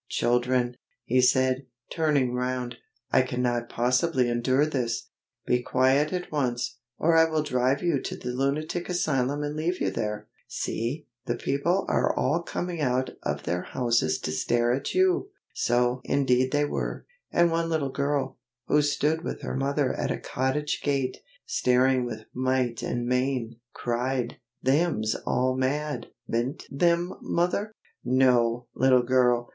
"Children," he said, turning round, "I cannot possibly endure this. Be quiet at once, or I will drive you to the Lunatic Asylum and leave you there! See, the people are all coming out of their houses to stare at you!" So indeed they were, and one little girl, who stood with her mother at a cottage gate, staring with might and main, cried: "Them's all mad, be'nt them, mother?" "No, little girl!"